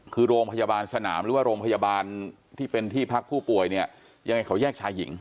คือโรงพยาบาลสนามหรือว่าโรงพยาบาลที่เป็นที่พักผู้ป่วยเนี่ยยังไงเขาแยกชายหญิง